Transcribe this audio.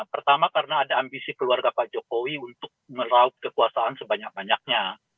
pertama karena ada ambisi keluarga pak jokowi untuk meraup kekuasaan sebanyak banyaknya